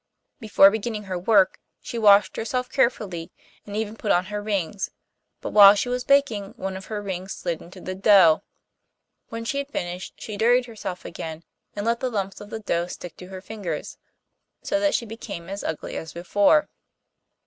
Before beginning her work she washed herself carefully, and even put on her rings; but, while she was baking, one of her rings slid into the dough. When she had finished she dirtied herself again, and let the lumps of the dough stick to her fingers, so that she became as ugly as before.